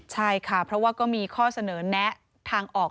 ใช่ค่ะเพราะว่าก็มีข้อเสนอแนะทางออก